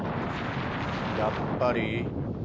やっぱり？